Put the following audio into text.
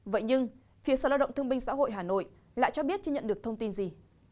vậy nhưng phía sở lao động thương binh xã hội hà nội lại cho biết chưa nhận được thông tin gì